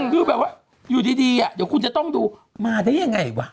คือแบบว่าอยู่ดีเดี๋ยวคุณจะต้องดูมาได้ยังไงวะ